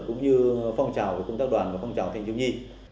cũng như phong trào của công tác đoàn và phong trào thanh thiếu nhi